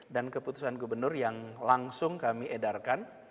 dan keputusan gubernur yang langsung kami edarkan